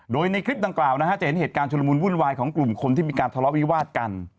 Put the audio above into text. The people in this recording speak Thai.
โดยในคลิปดังกล่าวนะฮะจะเห็นเหตุการณ์ชุลมุนวุ่นวายของกลุ่มคนที่มีการทะเลาะวิวาดกัน